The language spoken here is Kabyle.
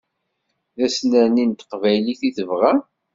D asnerni n teqbaylit i tebɣam.